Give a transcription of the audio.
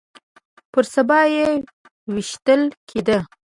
پر سبا يې ويشتل کېده.